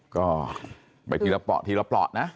ก็ไปทีละปลอดทีละปลอดนะ